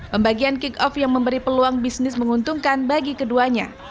pembagian kick off yang memberi peluang bisnis menguntungkan bagi keduanya